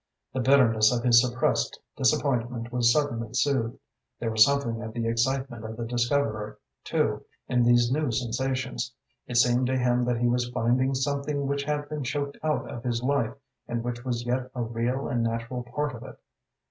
The bitterness of his suppressed disappointment was suddenly soothed. There was something of the excitement of the discoverer, too, in these new sensations. It seemed to him that he was finding something which had been choked out of his life and which was yet a real and natural part of it.